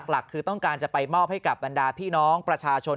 หลักคือต้องการจะไปมอบให้กับบรรดาพี่น้องประชาชน